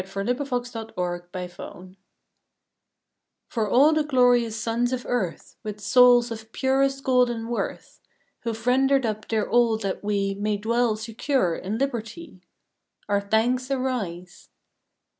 November Twenty fifth THANKSGIVING all the glorious Sons of Earth With souls of purest golden worth, Who ve rendered up their All that we May dwell secure in Liberty, Our thanks arise!